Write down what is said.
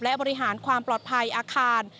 และบริหารความปลอดภัยอาคาร